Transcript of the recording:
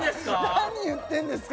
何言ってるんですか？